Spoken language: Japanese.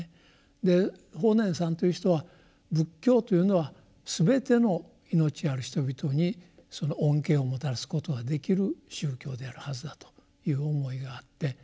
で法然さんという人は仏教というのは全ての命ある人々にその恩恵をもたらすことができる宗教であるはずだという思いがあって。